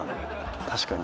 確かに。